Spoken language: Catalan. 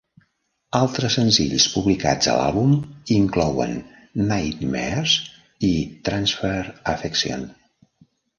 Altres senzills publicats a l'àlbum inclouen "Nightmares" i "Transfer Affection".